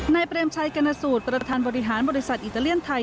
เปรมชัยกรณสูตรประธานบริหารบริษัทอิตาเลียนไทย